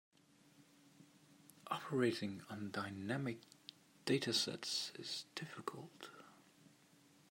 Operating on dynamic data sets is difficult.